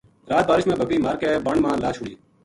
رات بارش ما بکری مار کے بن ما لا چھُڑی